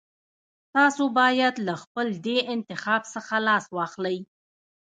تاسو بايد له خپل دې انتخاب څخه لاس واخلئ.